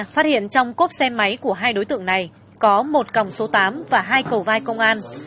phát hiện trong cốp xe máy của hai đối tượng này có một còng số tám và hai cầu vai công an